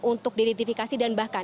untuk identifikasi dan bahkan